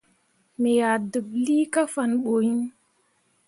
Me yah deɓlii kah faa ɓu iŋ.